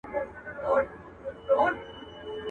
د مړو کله په قيامت رضا نه وه.